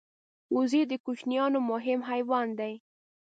وزې د کوچیانو مهم حیوان دی